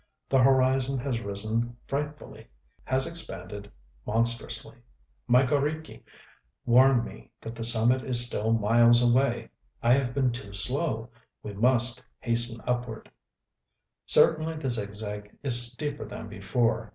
The horizon has risen frightfully, has expanded monstrously.... My g┼Źriki warn me that the summit is still miles away. I have been too slow. We must hasten upward. Certainly the zigzag is steeper than before....